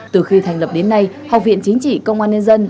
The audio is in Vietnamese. từ khi thành lập đến nay học viện chính trị công an nhân dân